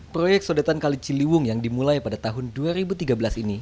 proyek sodetan kali ciliwung yang dimulai pada tahun dua ribu tiga belas ini